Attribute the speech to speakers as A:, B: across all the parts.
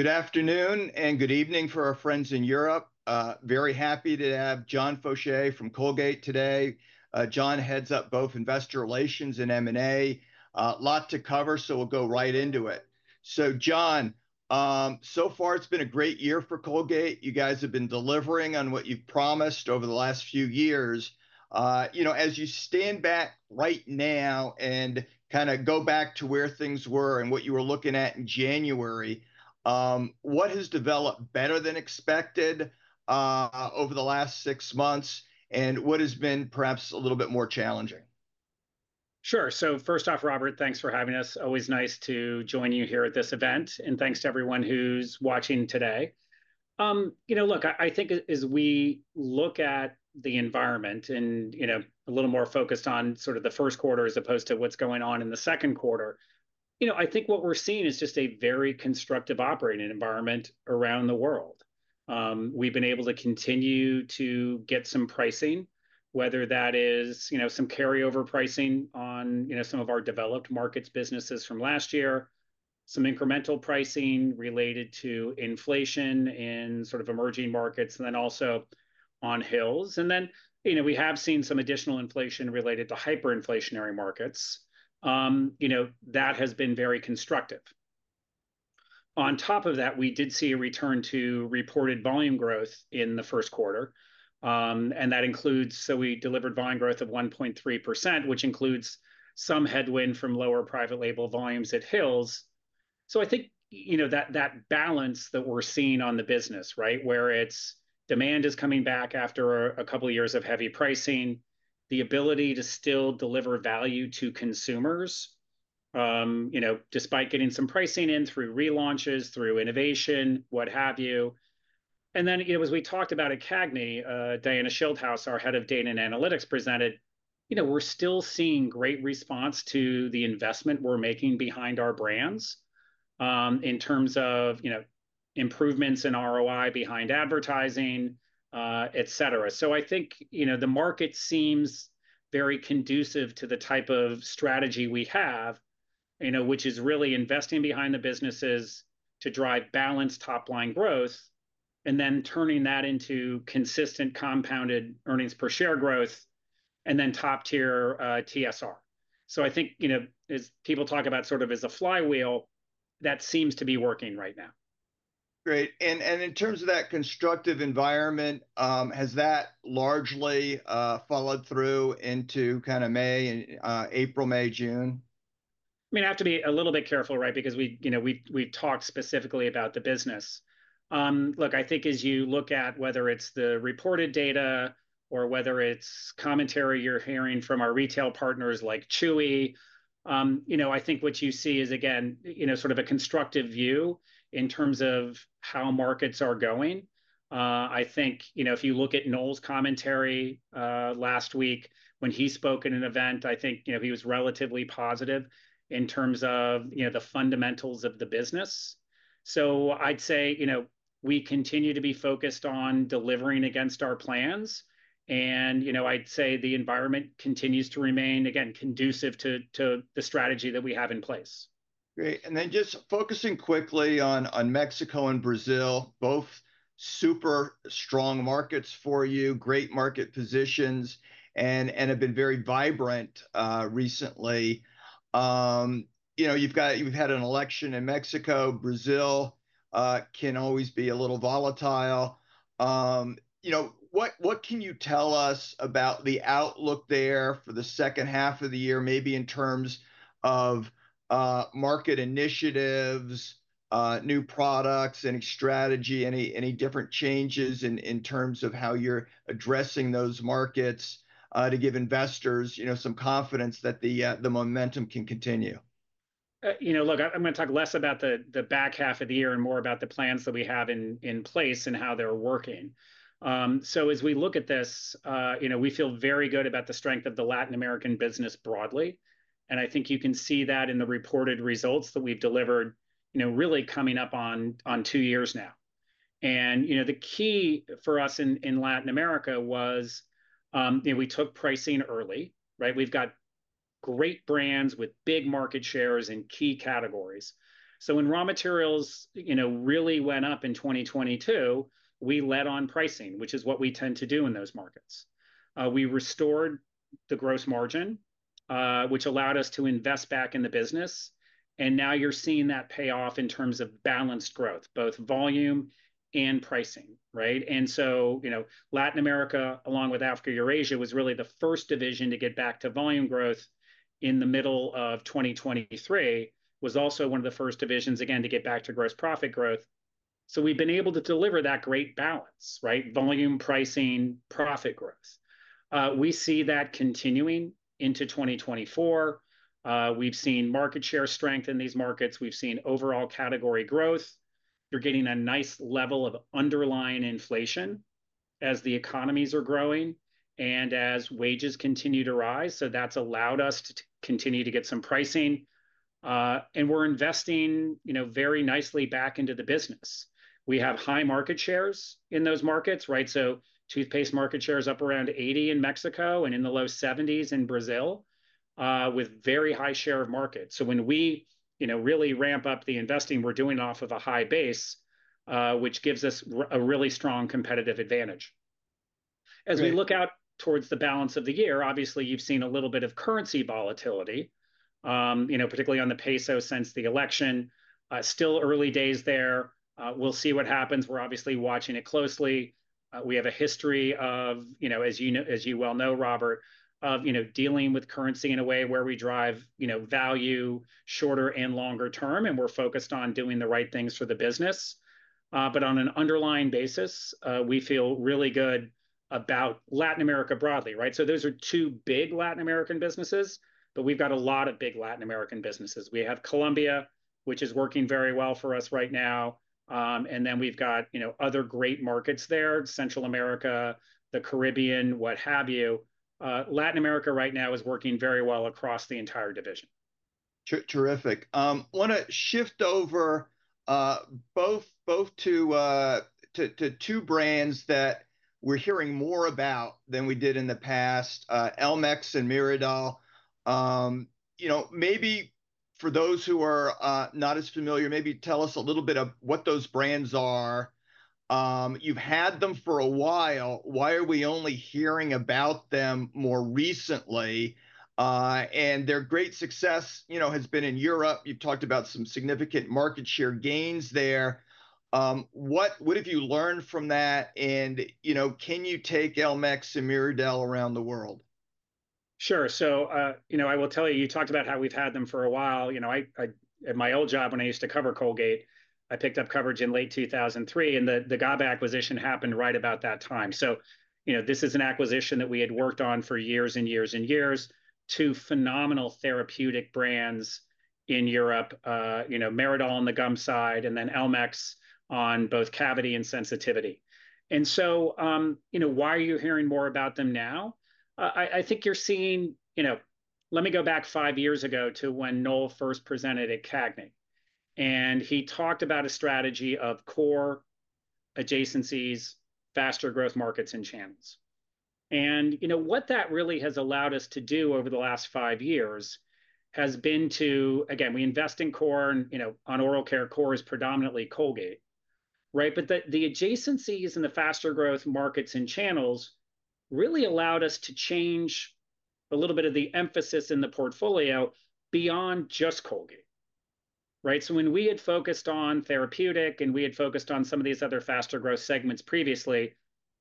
A: Good afternoon, and good evening for our friends in Europe. Very happy to have John Faucher from Colgate today. John heads up both Investor Relations and M&A. Lots to cover, so we'll go right into it. So John, so far it's been a great year for Colgate. You guys have been delivering on what you've promised over the last few years. You know, as you stand back right now and kind of go back to where things were and what you were looking at in January, what has developed better than expected over the last six months, and what has been perhaps a little bit more challenging?
B: Sure. So first off, Robert, thanks for having us. Always nice to join you here at this event, and thanks to everyone who's watching today. You know, look, I think as we look at the environment and, you know, a little more focused on sort of the first quarter as opposed to what's going on in the second quarter, you know, I think what we're seeing is just a very constructive operating environment around the world. We've been able to continue to get some pricing, whether that is, you know, some carryover pricing on, you know, some of our developed markets businesses from last year, some incremental pricing related to inflation in sort of emerging markets, and then also on Hill's. And then, you know, we have seen some additional inflation related to hyperinflationary markets. You know, that has been very constructive. On top of that, we did see a return to reported volume growth in the first quarter, and that includes... So we delivered volume growth of 1.3%, which includes some headwind from lower private label volumes at Hill's. So I think, you know, that balance that we're seeing on the business, right, where it's demand is coming back after a couple of years of heavy pricing, the ability to still deliver value to consumers, you know, despite getting some pricing in through relaunches, through innovation, what have you. And then, you know, as we talked about at CAGNY, Diana Schildhouse, our head of data and analytics, presented, you know, we're still seeing great response to the investment we're making behind our brands, in terms of, you know, improvements in ROI behind advertising, et cetera. So I think, you know, the market seems very conducive to the type of strategy we have, you know, which is really investing behind the businesses to drive balanced top-line growth, and then turning that into consistent compounded earnings per share growth, and then top-tier TSR. So I think, you know, as people talk about sort of as a flywheel, that seems to be working right now.
A: Great. And in terms of that constructive environment, has that largely followed through into kind of May, and April, May, June?
B: I mean, I have to be a little bit careful, right? Because we, you know, talked specifically about the business. Look, I think as you look at whether it's the reported data or whether it's commentary you're hearing from our retail partners, like Chewy, you know, I think what you see is, again, you know, sort of a constructive view in terms of how markets are going. I think, you know, if you look at Noel's commentary, last week when he spoke at an event, I think, you know, he was relatively positive in terms of, you know, the fundamentals of the business. So I'd say, you know, we continue to be focused on delivering against our plans, and, you know, I'd say the environment continues to remain, again, conducive to the strategy that we have in place.
A: Great. Then just focusing quickly on Mexico and Brazil, both super strong markets for you, great market positions, and have been very vibrant recently. You know, you've had an election in Mexico. Brazil can always be a little volatile. You know, what can you tell us about the outlook there for the second half of the year, maybe in terms of market initiatives, new products, any strategy, any different changes in terms of how you're addressing those markets, to give investors, you know, some confidence that the, the momentum can continue?
B: You know, look, I'm gonna talk less about the back half of the year and more about the plans that we have in place and how they're working. So as we look at this, you know, we feel very good about the strength of the Latin American business broadly, and I think you can see that in the reported results that we've delivered, you know, really coming up on two years now. And, you know, the key for us in Latin America was, you know, we took pricing early, right? We've got great brands with big market shares in key categories. So when raw materials, you know, really went up in 2022, we led on pricing, which is what we tend to do in those markets. We restored the gross margin, which allowed us to invest back in the business, and now you're seeing that pay off in terms of balanced growth, both volume and pricing, right? And so, you know, Latin America, along with Africa, Eurasia, was really the first division to get back to volume growth in the middle of 2023. Was also one of the first divisions, again, to get back to gross profit growth. So we've been able to deliver that great balance, right? Volume, pricing, profit growth. We see that continuing into 2024. We've seen market share strength in these markets. We've seen overall category growth. You're getting a nice level of underlying inflation as the economies are growing and as wages continue to rise, so that's allowed us to continue to get some pricing. And we're investing, you know, very nicely back into the business. We have high market shares in those markets, right? So toothpaste market share is up around 80 in Mexico, and in the low 70s in Brazil, with very high share of market. So when we, you know, really ramp up the investing, we're doing off of a high base, which gives us a really strong competitive advantage.
A: Great.
B: As we look out towards the balance of the year, obviously you've seen a little bit of currency volatility, you know, particularly on the peso since the election. Still early days there. We'll see what happens. We're obviously watching it closely. We have a history of, you know, as you well know, Robert, of, you know, dealing with currency in a way where we drive, you know, value shorter and longer term, and we're focused on doing the right things for the business. But on an underlying basis, we feel really good about Latin America broadly, right? So those are two big Latin American businesses, but we've got a lot of big Latin American businesses. We have Colombia, which is working very well for us right now. and then we've got, you know, other great markets there, Central America, the Caribbean, what have you. Latin America right now is working very well across the entire division.
A: Terrific. I wanna shift over to two brands that we're hearing more about than we did in the past, Elmex and Meridol. You know, maybe for those who are not as familiar, maybe tell us a little bit of what those brands are. You've had them for a while, why are we only hearing about them more recently? And their great success, you know, has been in Europe. You've talked about some significant market share gains there. What have you learned from that and, you know, can you take Elmex and Meridol around the world?
B: Sure. So, you know, I will tell you, you talked about how we've had them for a while. You know, at my old job, when I used to cover Colgate, I picked up coverage in late 2003, and the GABA acquisition happened right about that time. So, you know, this is an acquisition that we had worked on for years and years and years, two phenomenal therapeutic brands in Europe. You know, Meridol on the gum side, and then Elmex on both cavity and sensitivity. And so, you know, why are you hearing more about them now? I think you're seeing... You know, let me go back five years ago to when Noel first presented at CAGNY, and he talked about a strategy of core adjacencies, faster growth markets, and channels. And, you know, what that really has allowed us to do over the last five years has been to, again, we invest in core and, you know, on oral care, core is predominantly Colgate, right? But the, the adjacencies and the faster growth markets and channels really allowed us to change a little bit of the emphasis in the portfolio beyond just Colgate, right? So when we had focused on therapeutic, and we had focused on some of these other faster growth segments previously,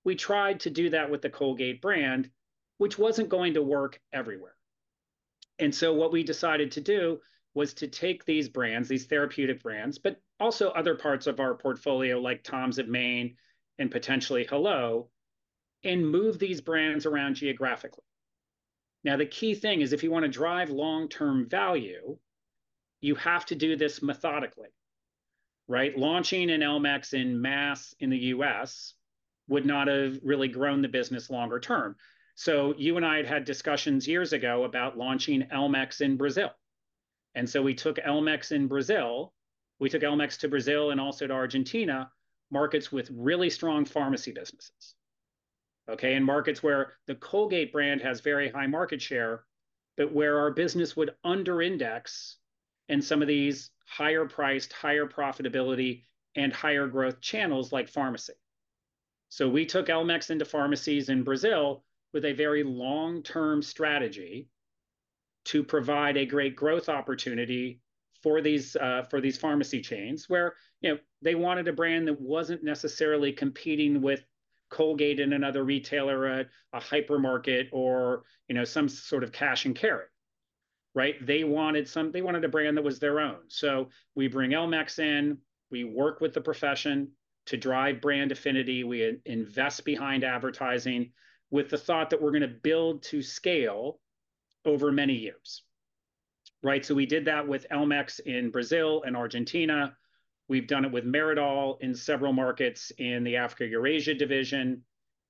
B: we tried to do that with the Colgate brand, which wasn't going to work everywhere. And so what we decided to do was to take these brands, these therapeutic brands, but also other parts of our portfolio, like Tom's of Maine and potentially Hello, and move these brands around geographically. Now, the key thing is, if you wanna drive long-term value, you have to do this methodically, right? Launching an Elmex en masse in the U.S. would not have really grown the business longer term. So you and I had had discussions years ago about launching Elmex in Brazil, and so we took Elmex to Brazil and also to Argentina, markets with really strong pharmacy businesses, okay? And markets where the Colgate brand has very high market share, but where our business would under index in some of these higher priced, higher profitability, and higher growth channels like pharmacy. So we took Elmex into pharmacies in Brazil with a very long-term strategy to provide a great growth opportunity for these pharmacy chains, where, you know, they wanted a brand that wasn't necessarily competing with Colgate in another retailer, a hypermarket or, you know, some sort of cash and carry, right? They wanted a brand that was their own. So we bring Elmex in, we work with the profession to drive brand affinity. We invest behind advertising with the thought that we're gonna build to scale over many years, right? So we did that with Elmex in Brazil and Argentina. We've done it with Meridol in several markets in the Africa-Eurasia division.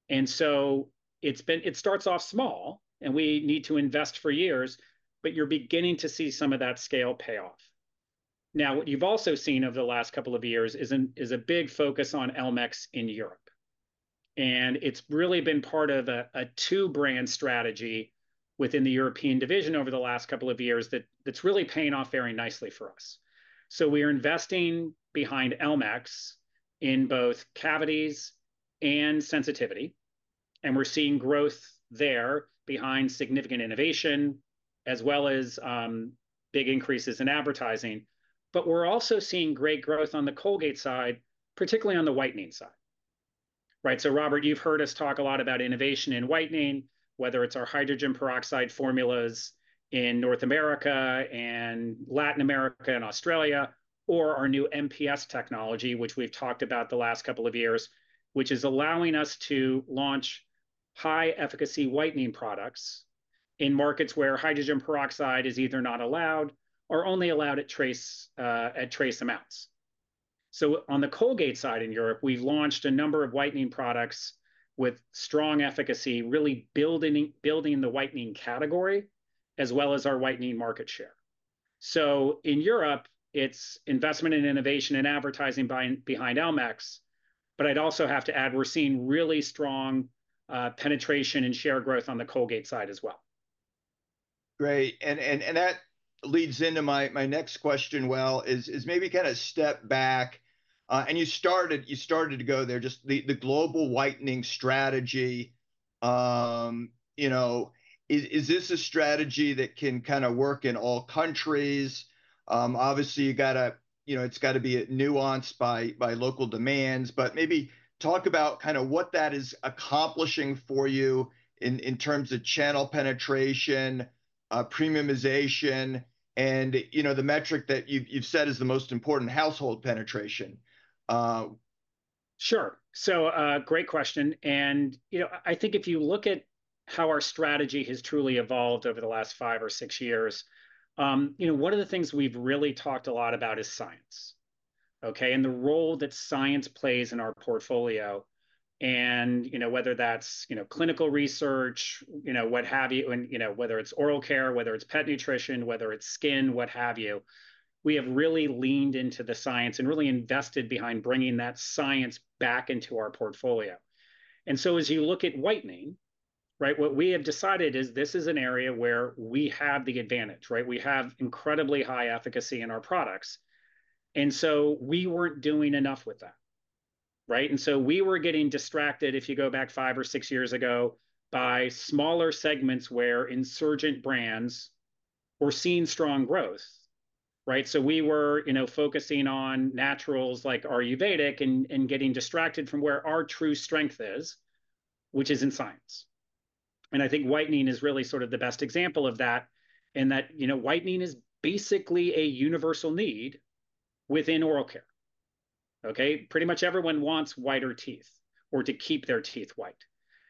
B: And so it starts off small, and we need to invest for years, but you're beginning to see some of that scale pay off. Now, what you've also seen over the last couple of years is a big focus on Elmex in Europe, and it's really been part of a two-brand strategy within the European division over the last couple of years that's really paying off very nicely for us. So we are investing behind Elmex in both cavities and sensitivity, and we're seeing growth there behind significant innovation, as well as big increases in advertising. But we're also seeing great growth on the Colgate side, particularly on the whitening side, right? So Robert, you've heard us talk a lot about innovation in whitening, whether it's our hydrogen peroxide formulas in North America and Latin America and Australia, or our new MPS technology, which we've talked about the last couple of years, which is allowing us to launch high-efficacy whitening products in markets where hydrogen peroxide is either not allowed or only allowed at trace amounts. So on the Colgate side in Europe, we've launched a number of whitening products with strong efficacy, really building the whitening category, as well as our whitening market share. So in Europe, it's investment in innovation and advertising behind Elmex, but I'd also have to add we're seeing really strong penetration and share growth on the Colgate side as well.
A: Great, and, and, and that leads into my, my next question. Well, is, is maybe kinda step back, and you started, you started to go there, just the, the global whitening strategy, you know, is, is this a strategy that can kinda work in all countries? Obviously, you gotta, you know, it's gotta be nuanced by, by local demands, but maybe talk about kinda what that is accomplishing for you in, in terms of channel penetration, premiumization, and, you know, the metric that you've, you've said is the most important, household penetration.
B: Sure. So, great question, and, you know, I think if you look at how our strategy has truly evolved over the last five or six years, you know, one of the things we've really talked a lot about is science, okay? And the role that science plays in our portfolio, and, you know, whether that's, you know, clinical research, you know, what have you, and, you know, whether it's oral care, whether it's pet nutrition, whether it's skin, what have you, we have really leaned into the science and really invested behind bringing that science back into our portfolio. And so as you look at whitening, right, what we have decided is this is an area where we have the advantage, right? We have incredibly high efficacy in our products, and so we weren't doing enough with that, right? And so we were getting distracted, if you go back five or six years ago, by smaller segments where insurgent brands were seeing strong growth, right? So we were, you know, focusing on naturals, like Ayurvedic, and getting distracted from where our true strength is, which is in science. And I think whitening is really sort of the best example of that, in that, you know, whitening is basically a universal need within oral care. Okay? Pretty much everyone wants whiter teeth or to keep their teeth white.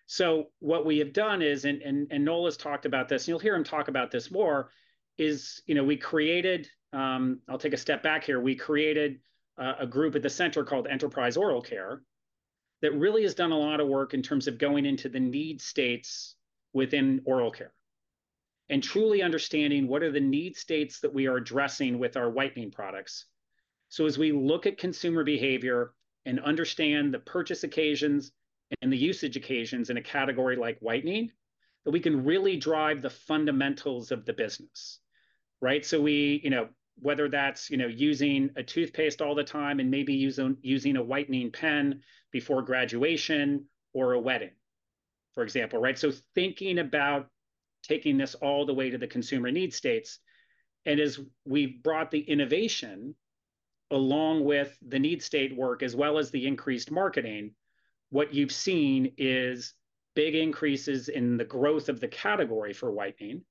B: So what we have done is, and Noel has talked about this, and you'll hear him talk about this more, is, you know, we created. I'll take a step back here. We created a group at the center called Enterprise Oral Care that really has done a lot of work in terms of going into the need states within oral care, and truly understanding what are the need states that we are addressing with our whitening products. So as we look at consumer behavior and understand the purchase occasions and the usage occasions in a category like whitening, that we can really drive the fundamentals of the business, right? So we, you know, whether that's, you know, using a toothpaste all the time and maybe using a whitening pen before graduation or a wedding, for example, right? So thinking about taking this all the way to the consumer need states, and as we've brought the innovation along with the need state work, as well as the increased marketing, what you've seen is big increases in the growth of the category for whitening,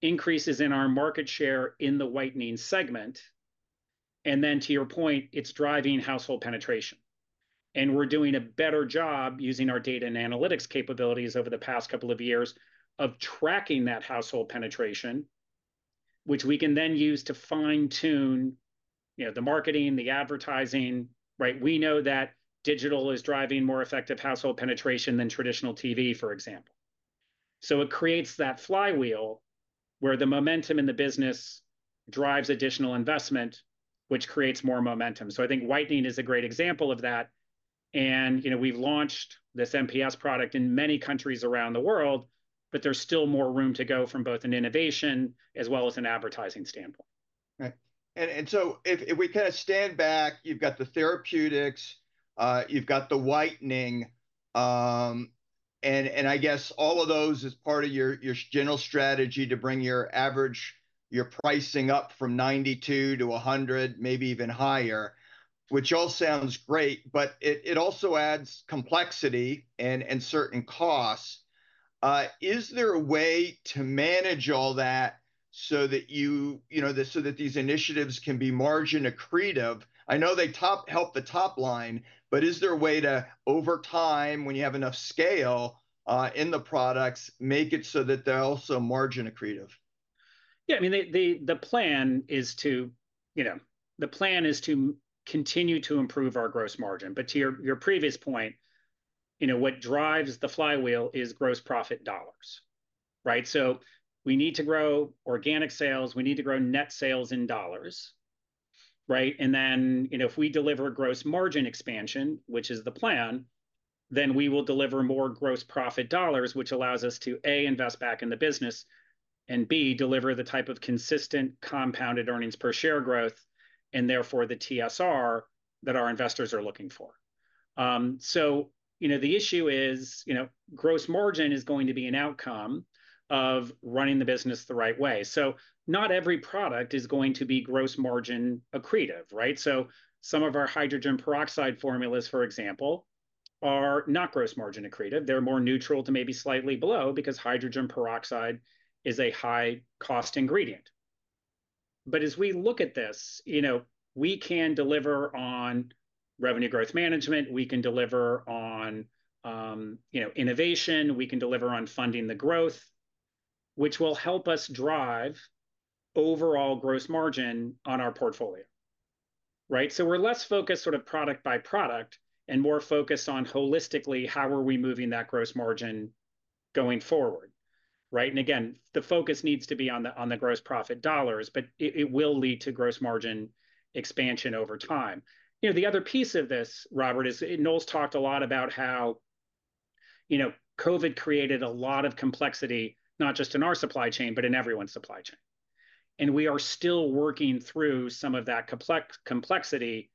B: increases in our market share in the whitening segment, and then to your point, it's driving household penetration. And we're doing a better job using our data and analytics capabilities over the past couple of years of tracking that household penetration, which we can then use to fine-tune, you know, the marketing, the advertising, right? We know that digital is driving more effective household penetration than traditional TV, for example. So it creates that flywheel, where the momentum in the business drives additional investment, which creates more momentum. I think whitening is a great example of that, and you know, we've launched this MPS product in many countries around the world, but there's still more room to go from both an innovation as well as an advertising standpoint.
A: Right. So if we kinda stand back, you've got the therapeutics, you've got the whitening, and I guess all of those is part of your, your general strategy to bring your average, your pricing up from 92 to 100, maybe even higher, which all sounds great, but it also adds complexity and certain costs. Is there a way to manage all that so that these initiatives can be margin accretive? I know they help the top line, but is there a way to, over time, when you have enough scale, in the products, make it so that they're also margin accretive?
B: Yeah, I mean, the plan is to, you know, the plan is to continue to improve our gross margin. But to your, your previous point, you know, what drives the flywheel is gross profit dollars, right? So we need to grow organic sales, we need to grow net sales in dollars, right? And then, you know, if we deliver gross margin expansion, which is the plan, then we will deliver more gross profit dollars, which allows us to, A, invest back in the business, and B, deliver the type of consistent compounded earnings per share growth, and therefore the TSR that our investors are looking for. So, you know, the issue is, you know, gross margin is going to be an outcome of running the business the right way. So not every product is going to be gross margin accretive, right? So some of our hydrogen peroxide formulas, for example, are not gross margin accretive. They're more neutral to maybe slightly below, because hydrogen peroxide is a high-cost ingredient. But as we look at this, you know, we can deliver on revenue growth management, we can deliver on, you know, innovation, we can deliver on funding the growth, which will help us drive overall gross margin on our portfolio... right? So we're less focused sort of product by product, and more focused on holistically, how are we moving that gross margin going forward, right? And again, the focus needs to be on the gross profit dollars, but it will lead to gross margin expansion over time. You know, the other piece of this, Robert, is Noel's talked a lot about how, you know, COVID created a lot of complexity, not just in our supply chain, but in everyone's supply chain, and we are still working through some of that complexity.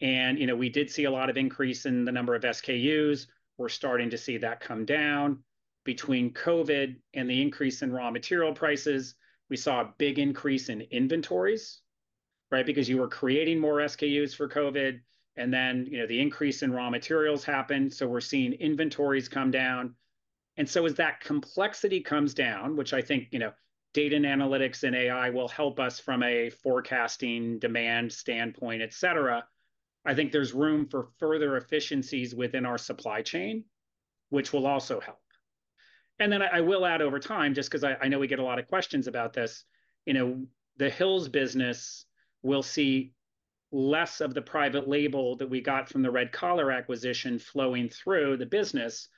B: You know, we did see a lot of increase in the number of SKUs. We're starting to see that come down. Between COVID and the increase in raw material prices, we saw a big increase in inventories, right? Because you were creating more SKUs for COVID, and then, you know, the increase in raw materials happened, so we're seeing inventories come down. So as that complexity comes down, which I think, you know, data and analytics and AI will help us from a forecasting demand standpoint, et cetera, I think there's room for further efficiencies within our supply chain, which will also help. And then I will add over time, just 'cause I know we get a lot of questions about this, you know, the Hill's business will see less of the private label that we got from the Red Collar acquisition flowing through the business,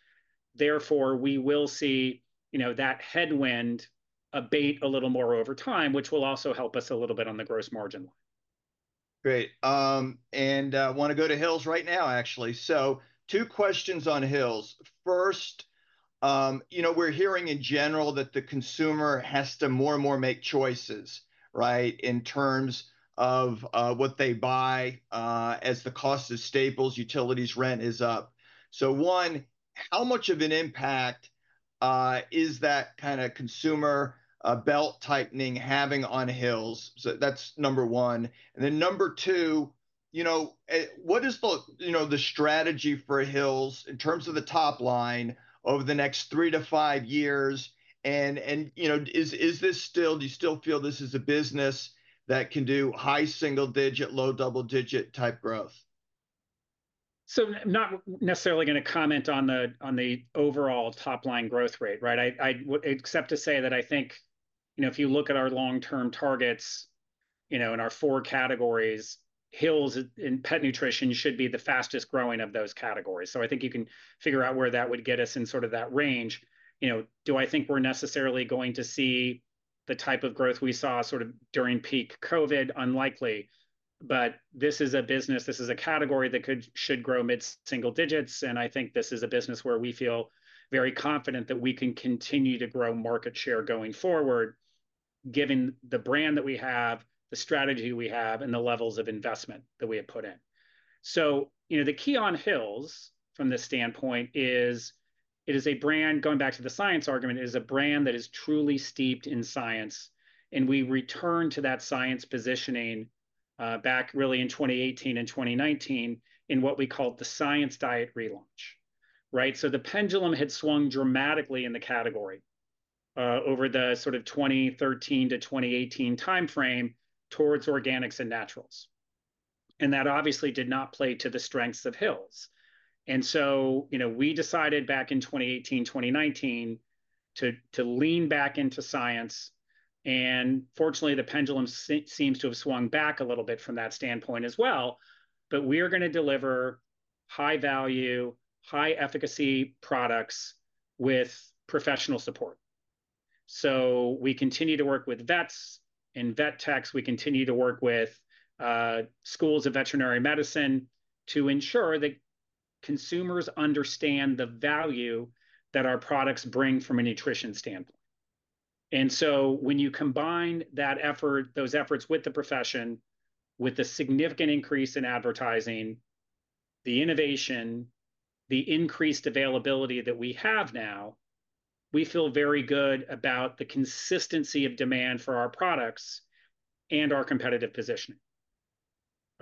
B: therefore, we will see, you know, that headwind abate a little more over time, which will also help us a little bit on the gross margin line.
A: Great. And I want to go to Hill's right now, actually. So two questions on Hill's. First, you know, we're hearing in general that the consumer has to more and more make choices, right, in terms of, what they buy, as the cost of staples, utilities, rent is up. So, one, how much of an impact is that kind of consumer belt-tightening having on Hill's? So that's number one. And then number two, you know, what is the, you know, the strategy for Hill's in terms of the top line over the next three to five years? And you know, is this still... Do you still feel this is a business that can do high single digit, low double digit type growth?
B: So not necessarily going to comment on the overall top-line growth rate, right? I except to say that I think, you know, if you look at our long-term targets, you know, in our four categories, Hill's and Pet Nutrition should be the fastest growing of those categories. So I think you can figure out where that would get us in sort of that range. You know, do I think we're necessarily going to see the type of growth we saw sort of during peak COVID? Unlikely. But this is a business, this is a category that could, should grow mid-single digits, and I think this is a business where we feel very confident that we can continue to grow market share going forward, given the brand that we have, the strategy we have, and the levels of investment that we have put in. So, you know, the key on Hill's, from this standpoint, is it is a brand, going back to the science argument, it is a brand that is truly steeped in science, and we returned to that science positioning back really in 2018 and 2019 in what we called the Science Diet relaunch, right? So the pendulum had swung dramatically in the category over the sort of 2013 to 2018 timeframe towards organics and naturals, and that obviously did not play to the strengths of Hill's. And so, you know, we decided back in 2018, 2019, to lean back into science, and fortunately, the pendulum seems to have swung back a little bit from that standpoint as well. But we are going to deliver high-value, high-efficacy products with professional support. So we continue to work with vets and vet techs. We continue to work with schools of veterinary medicine to ensure that consumers understand the value that our products bring from a nutrition standpoint. And so when you combine that effort, those efforts with the profession, with the significant increase in advertising, the innovation, the increased availability that we have now, we feel very good about the consistency of demand for our products and our competitive positioning.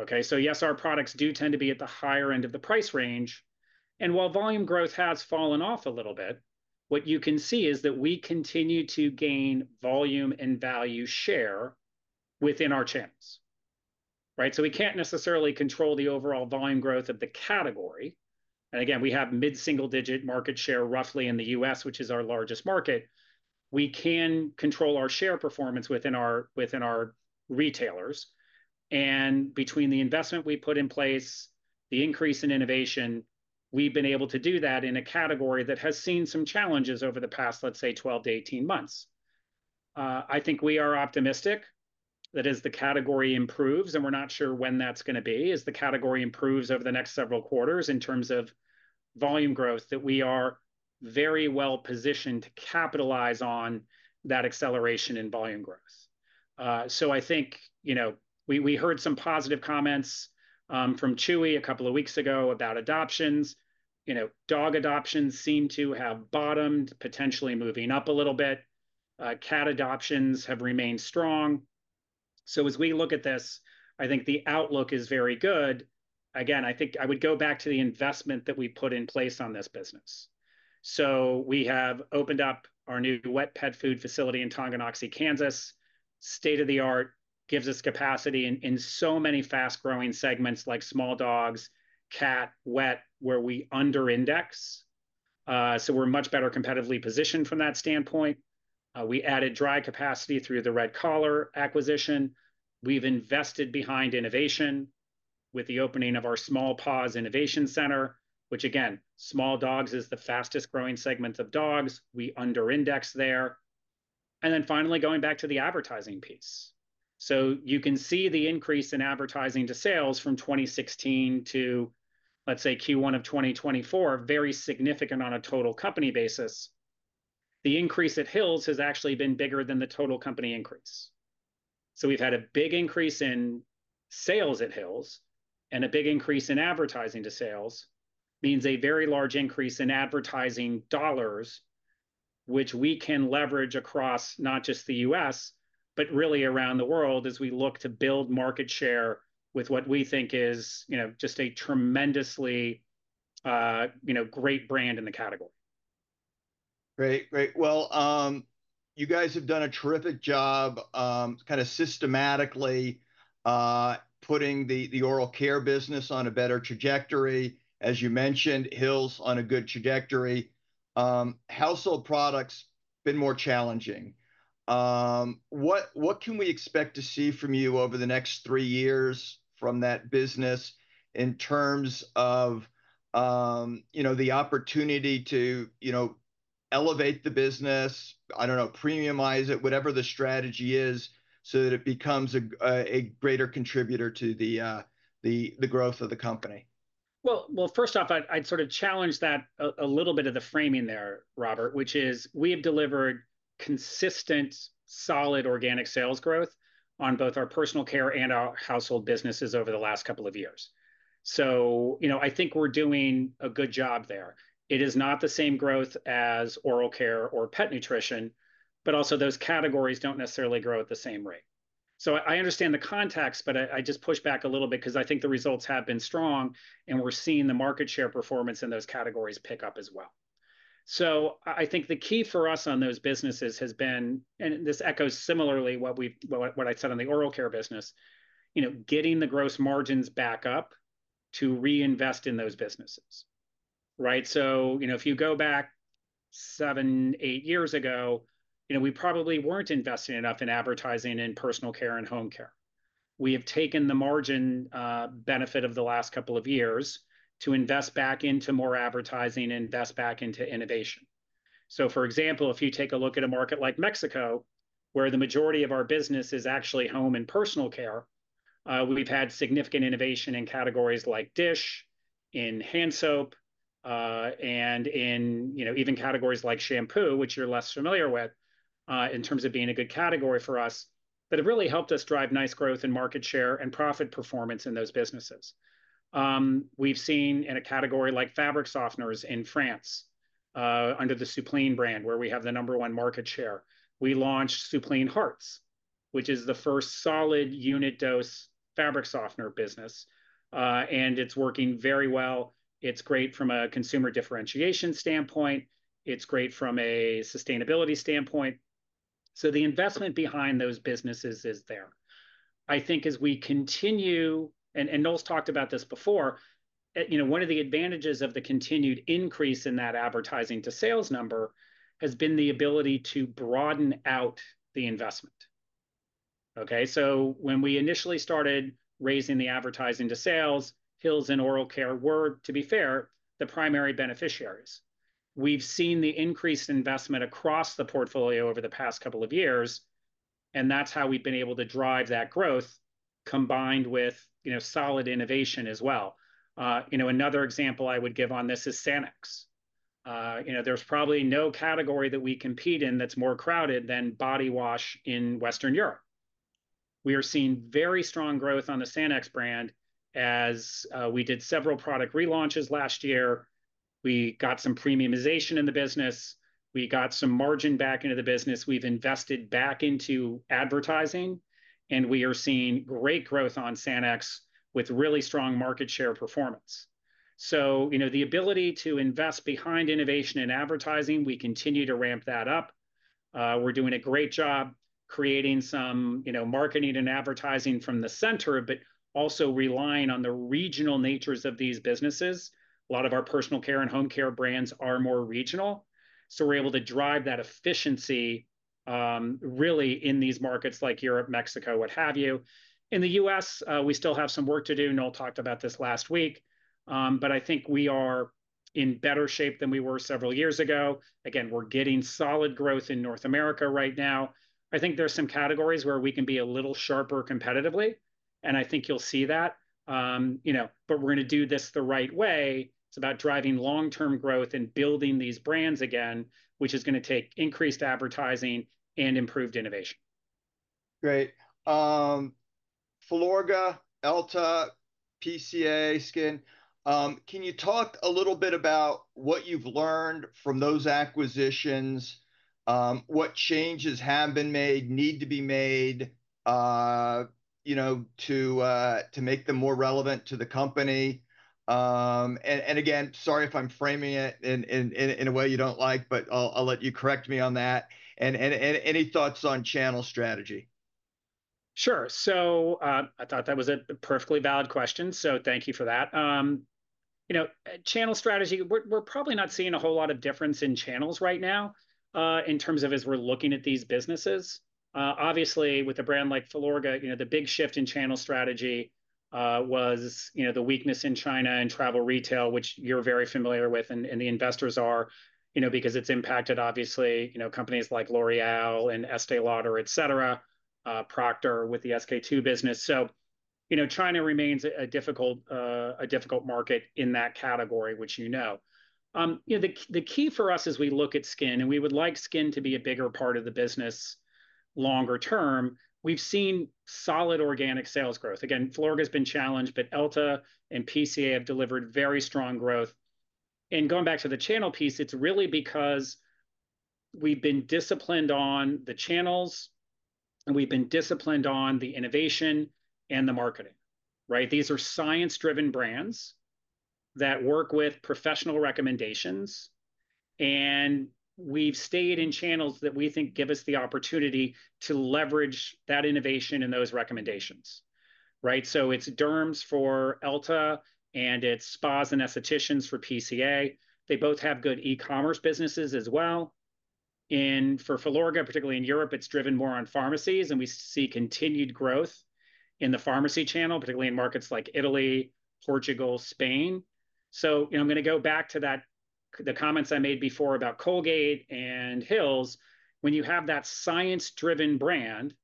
B: Okay, so yes, our products do tend to be at the higher end of the price range, and while volume growth has fallen off a little bit, what you can see is that we continue to gain volume and value share within our channels, right? So we can't necessarily control the overall volume growth of the category, and again, we have mid-single-digit market share roughly in the U.S., which is our largest market. We can control our share performance within our retailers. And between the investment we put in place, the increase in innovation, we've been able to do that in a category that has seen some challenges over the past, let's say, 12-18 months. I think we are optimistic that as the category improves, and we're not sure when that's going to be, as the category improves over the next several quarters in terms of volume growth, that we are very well-positioned to capitalize on that acceleration in volume growth. So I think, you know, we heard some positive comments from Chewy a couple of weeks ago about adoptions. You know, dog adoptions seem to have bottomed, potentially moving up a little bit. Cat adoptions have remained strong. So as we look at this, I think the outlook is very good. Again, I think I would go back to the investment that we put in place on this business. So we have opened up our new wet pet food facility in Tonganoxie, Kansas. State-of-the-art, gives us capacity in so many fast-growing segments like small dogs, cat, wet, where we under-index, so we're much better competitively positioned from that standpoint. We added dry capacity through the Red Collar acquisition. We've invested behind innovation with the opening of our Small Paws Innovation Center, which again, small dogs is the fastest-growing segment of dogs. We under-index there. And then finally, going back to the advertising piece. So you can see the increase in advertising to sales from 2016 to, let's say, Q1 of 2024, very significant on a total company basis. The increase at Hill's has actually been bigger than the total company increase. So we've had a big increase in sales at Hill's, and a big increase in advertising to sales, means a very large increase in advertising dollars, which we can leverage across not just the U.S., but really around the world as we look to build market share with what we think is, you know, just a tremendously, you know, great brand in the category.
A: Great. Great. Well, you guys have done a terrific job, kind of systematically putting the oral care business on a better trajectory. As you mentioned, Hill's on a good trajectory. Household products been more challenging. What can we expect to see from you over the next three years from that business in terms of, you know, the opportunity to, you know, elevate the business, I don't know, premiumize it, whatever the strategy is, so that it becomes a greater contributor to the growth of the company?
B: Well, well, first off, I'd sort of challenge that a little bit of the framing there, Robert, which is we have delivered consistent, solid organic sales growth on both our personal care and our household businesses over the last couple of years. So, you know, I think we're doing a good job there. It is not the same growth as oral care or pet nutrition, but also those categories don't necessarily grow at the same rate. So I understand the context, but I just push back a little bit 'cause I think the results have been strong, and we're seeing the market share performance in those categories pick up as well. So I think the key for us on those businesses has been, and this echoes similarly what I said on the oral care business, you know, getting the gross margins back up to reinvest in those businesses, right? So, you know, if you go back seven, eigth years ago, you know, we probably weren't investing enough in advertising in personal care and home care. We have taken the margin benefit of the last couple of years to invest back into more advertising, invest back into innovation. So, for example, if you take a look at a market like Mexico, where the majority of our business is actually home and personal care, we've had significant innovation in categories like dish, in hand soap, and in, you know, even categories like shampoo, which you're less familiar with, in terms of being a good category for us, but it really helped us drive nice growth in market share and profit performance in those businesses. We've seen in a category like fabric softeners in France, under the Soupline brand, where we have the number one market share. We launched Soupline Hearts, which is the first solid unit dose fabric softener business, and it's working very well. It's great from a consumer differentiation standpoint. It's great from a sustainability standpoint. So the investment behind those businesses is there. I think as we continue, and Noel's talked about this before, you know, one of the advantages of the continued increase in that advertising to sales number, has been the ability to broaden out the investment, okay? So when we initially started raising the advertising to sales, Hill's and Oral Care were, to be fair, the primary beneficiaries. We've seen the increased investment across the portfolio over the past couple of years, and that's how we've been able to drive that growth, combined with, you know, solid innovation as well. You know, another example I would give on this is Sanex. You know, there's probably no category that we compete in that's more crowded than body wash in Western Europe. We are seeing very strong growth on the Sanex brand as we did several product relaunches last year. We got some premiumization in the business. We got some margin back into the business. We've invested back into advertising, and we are seeing great growth on Sanex, with really strong market share performance. So, you know, the ability to invest behind innovation and advertising, we continue to ramp that up. We're doing a great job creating some, you know, marketing and advertising from the center, but also relying on the regional natures of these businesses. A lot of our personal care and home care brands are more regional, so we're able to drive that efficiency, really in these markets like Europe, Mexico, what have you. In the U.S., we still have some work to do, Noel talked about this last week, but I think we are in better shape than we were several years ago. Again, we're getting solid growth in North America right now. I think there are some categories where we can be a little sharper competitively, and I think you'll see that. You know, but we're gonna do this the right way. It's about driving long-term growth and building these brands again, which is gonna take increased advertising and improved innovation.
A: Great. Filorga, EltaMD, PCA SKIN, can you talk a little bit about what you've learned from those acquisitions, what changes have been made, need to be made, you know, to make them more relevant to the company? And any thoughts on channel strategy?...
B: Sure. So, I thought that was a perfectly valid question, so thank you for that. You know, channel strategy, we're probably not seeing a whole lot of difference in channels right now, in terms of as we're looking at these businesses. Obviously, with a brand like Filorga, you know, the big shift in channel strategy was, you know, the weakness in China and travel retail, which you're very familiar with and the investors are, you know, because it's impacted obviously, you know, companies like L'Oréal and Estée Lauder, et cetera, Procter with the SK-II business. So, you know, China remains a difficult market in that category, which you know. You know, the key for us as we look at skin, and we would like skin to be a bigger part of the business longer term, we've seen solid organic sales growth. Again, Filorga's been challenged, but Elta and PCA have delivered very strong growth. And going back to the channel piece, it's really because we've been disciplined on the channels, and we've been disciplined on the innovation and the marketing, right? These are science-driven brands that work with professional recommendations, and we've stayed in channels that we think give us the opportunity to leverage that innovation and those recommendations, right? So it's derms for Elta, and it's spas and aestheticians for PCA. They both have good e-commerce businesses as well. For Filorga, particularly in Europe, it's driven more on pharmacies, and we see continued growth in the pharmacy channel, particularly in markets like Italy, Portugal, Spain. So, you know, I'm gonna go back to that, the comments I made before about Colgate and Hill's. When you have that science-driven brand,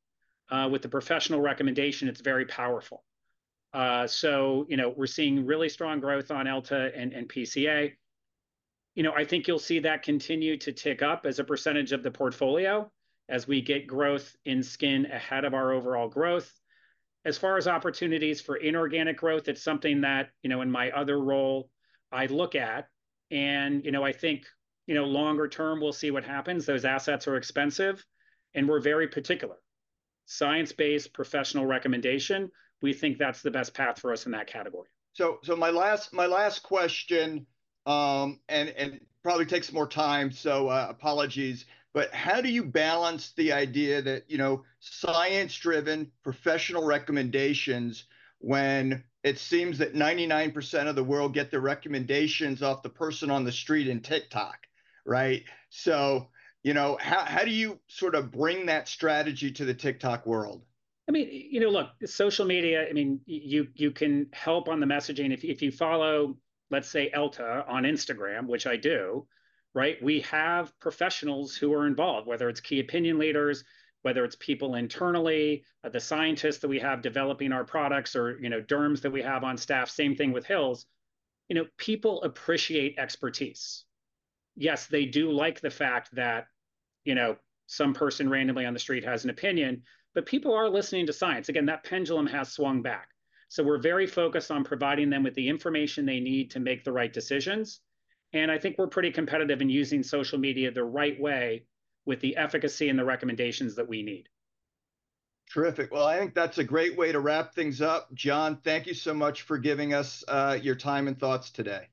B: with the professional recommendation, it's very powerful. So, you know, we're seeing really strong growth on EltaMD and PCA. You know, I think you'll see that continue to tick up as a percentage of the portfolio as we get growth in skin ahead of our overall growth. As far as opportunities for inorganic growth, it's something that, you know, in my other role I look at, and, you know, I think, you know, longer term, we'll see what happens. Those assets are expensive, and we're very particular.
C: Science-based professional recommendation, we think that's the best path for us in that category.
A: So my last question, and it probably takes more time, so apologies, but how do you balance the idea that, you know, science-driven professional recommendations when it seems that 99% of the world get their recommendations off the person on the street in TikTok, right? So, you know, how do you sort of bring that strategy to the TikTok world?
B: I mean, you know, look, social media, I mean, you can help on the messaging. If you follow, let's say, Elta on Instagram, which I do, right, we have professionals who are involved, whether it's key opinion leaders, whether it's people internally, the scientists that we have developing our products or, you know, derms that we have on staff. Same thing with Hill's. You know, people appreciate expertise. Yes, they do like the fact that, you know, some person randomly on the street has an opinion, but people are listening to science. Again, that pendulum has swung back. So we're very focused on providing them with the information they need to make the right decisions, and I think we're pretty competitive in using social media the right way with the efficacy and the recommendations that we need.
A: Terrific. Well, I think that's a great way to wrap things up. John, thank you so much for giving us your time and thoughts today.